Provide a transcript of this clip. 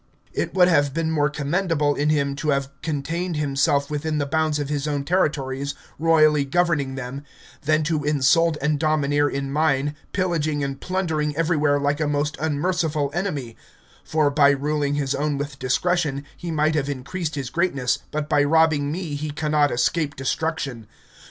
It would have been more commendable in him to have contained himself within the bounds of his own territories, royally governing them, than to insult and domineer in mine, pillaging and plundering everywhere like a most unmerciful enemy; for, by ruling his own with discretion, he might have increased his greatness, but by robbing me he cannot escape destruction.